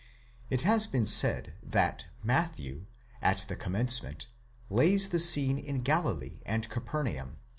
It has been said, that Matthew, at the commencement, lays the scene in Galilee and Capernaum, 1 Fritzsche, p.